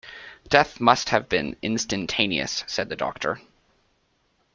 "Death must have been instantaneous," said the doctor.